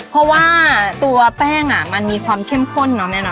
เพราะว่าตัวแป้งมันมีความเข้มข้นเนาะแม่เน